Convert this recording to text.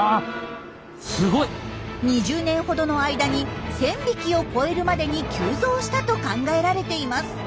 ２０年ほどの間に１，０００匹を超えるまでに急増したと考えられています。